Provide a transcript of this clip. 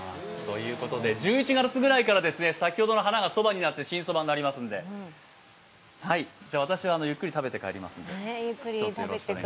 １１月ぐらいから先ほどの花がそばになって新そばになりますので、私はゆっくり食べて帰りますので。